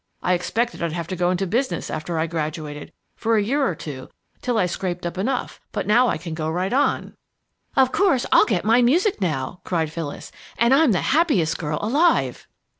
"I expected I'd have to go into business after I graduated, for a year or two, till I scraped up enough, but now I can go right on." "Of course, I'll get my music now," cried Phyllis, "and I'm the happiest girl alive!"